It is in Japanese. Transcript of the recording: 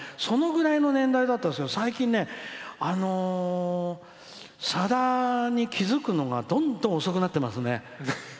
そのぐらいの年代だったですけど最近、さだに気付くのがどんどん遅くなってますね。